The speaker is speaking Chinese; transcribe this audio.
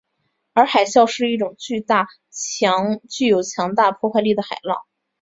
而海啸是一种具有强大破坏力的海浪。